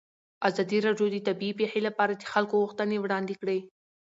ازادي راډیو د طبیعي پېښې لپاره د خلکو غوښتنې وړاندې کړي.